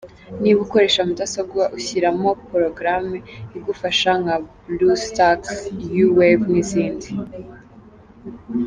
Niba ukoresha mudasobwa ushyiramo porogaramu igufasha nka Bluestacks, YouWave n’izindi.